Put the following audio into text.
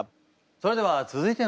それでは続いての質問を。